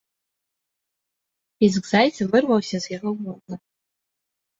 Піск зайца вырваўся з яго горла.